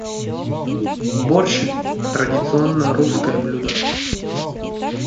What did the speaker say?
Борщ - традиционное русское блюдо.